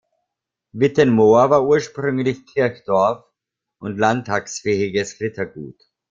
Wittenmoor war ursprünglich Kirchdorf und landtagsfähiges Rittergut.